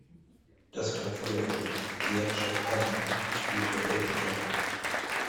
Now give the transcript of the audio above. Das Klavier in "The Edge of Heaven" spielte Elton John.